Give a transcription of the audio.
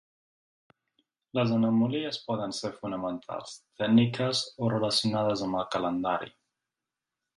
Les anomalies poden ser fonamentals, tècniques o relacionades amb el calendari.